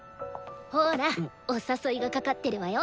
ほらお誘いがかかってるわよ。